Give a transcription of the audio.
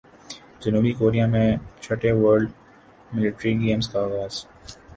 جنوبی کوریا میں چھٹے ورلڈ ملٹری گیمز کا اغاز